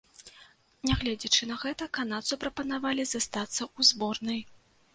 Нягледзячы на гэта, канадцу прапанавалі застацца ў зборнай.